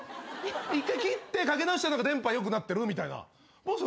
１回切ってかけ直したら電波良くなってるみたいな。